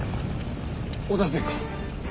織田勢か？